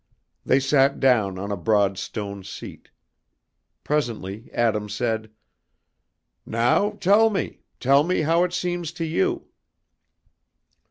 They sat down on a broad stone seat; presently Adam said, "Now, tell me; tell me how it seems to you."